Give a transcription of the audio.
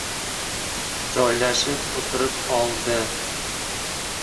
Joylashib o‘tirib oldi.